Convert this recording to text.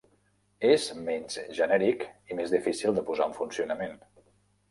És menys genèric i més difícil de posar en funcionament.